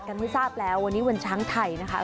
กันให้ทราบแล้ววันนี้วันช้างไทยนะคะ